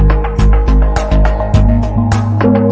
อุ่นมาสผลได้สามารถควิชเรียนรองการ